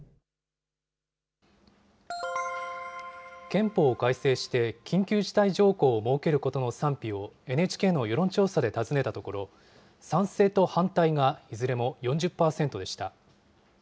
憲法を改正して、緊急事態条項を設けることの賛否をＮＨＫの世論調査で尋ねたところ、賛成と反対がいずれも４０％でした。